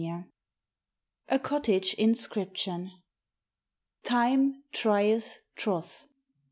IX A COTTAGE INSCRIPTION "TIME trieth troth."